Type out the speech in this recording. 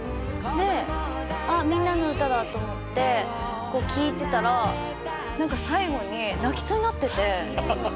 で「あっ『みんなのうた』だ」と思って聴いてたらなんか最後に泣きそうになってて。